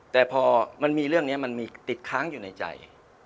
แต่พอมันมีเรื่องนี้มันมีติดค้างอยู่ในใจ